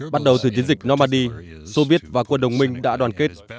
bắt đầu từ chiến dịch normandy soviet và quân đồng minh đã đoàn kết